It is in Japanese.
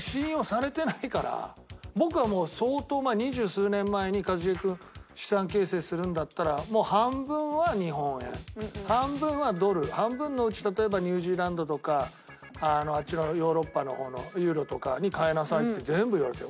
僕はもう相当二十数年前に「一茂くん資産形成するんだったら半分は日本円半分はドル半分のうち例えばニュージーランドとかあっちのヨーロッパの方のユーロとかに替えなさい」って全部言われたよ。